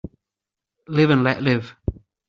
Live and let live.